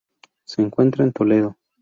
Se encuentra en Toledo.